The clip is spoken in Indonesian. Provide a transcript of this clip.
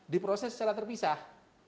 diproses secara terpisah